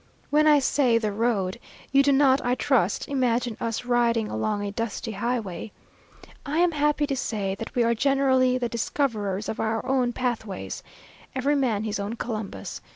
When I say the road you do not, I trust, imagine us riding along a dusty highway. I am happy to say that we are generally the discoverers of our own pathways. Every man his own Columbus.